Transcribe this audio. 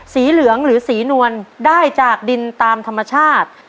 สีเหลืองหรือสีนวลได้จากดินตามธรรมชาติ